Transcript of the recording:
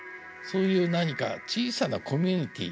そういう何か小さなコミュニティ。